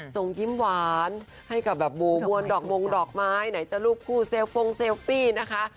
ส่งยิ้มหวานให้กับแบบบูมวลดอกมงดอกไม้ไหนจะรูปคู่เซลฟงเซลฟี่นะคะ